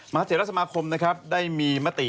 มหาศิลป์รัศนาคมได้มีมติ